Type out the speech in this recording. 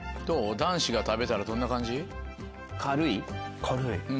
男子が食べたらどんな感じ？